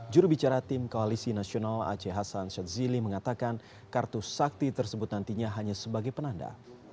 jurubicara tim koalisi nasional aceh hasan shadzili mengatakan kartu sakti tersebut nantinya hanya sebagai penanda